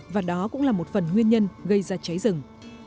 và đó cũng là một phần nguyên nhân gây ra cháy rừng